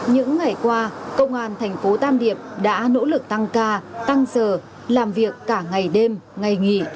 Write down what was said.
những ngày qua công an thành phố tam điệp đã nỗ lực tăng ca tăng giờ làm việc cả ngày đêm ngày nghỉ